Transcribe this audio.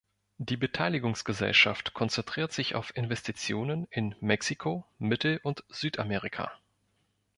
Die Beteiligungsgesellschaft konzentriert sich auf Investitionen in Mexiko, Mittel- und Südamerika.